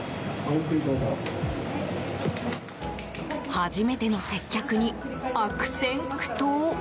初めての接客に悪戦苦闘。